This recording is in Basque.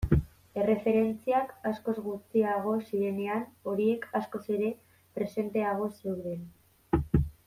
Erreferentziak askoz gutxiago zirenean, horiek askoz ere presenteago zeuden.